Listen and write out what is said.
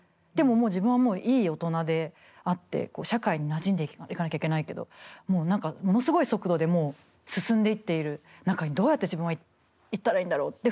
でも自分はもういい大人であって社会になじんでいかなきゃいけないけどもう何かものすごい速度で進んでいっている中にどうやって自分は行ったらいいんだろう？